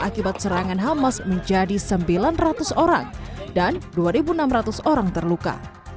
akibat serangan hamas menjadi sembilan ratus orang dan dua enam ratus orang terluka